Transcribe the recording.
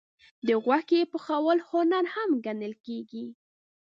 د غوښې پخول هنر هم ګڼل کېږي.